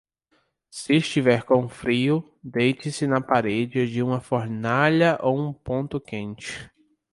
Se estiver com frio, deite-se na parede de uma fornalha ou ponto quente.